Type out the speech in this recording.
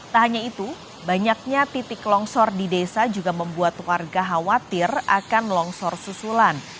tak hanya itu banyaknya titik longsor di desa juga membuat warga khawatir akan longsor susulan